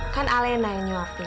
kan alena yang nyuafir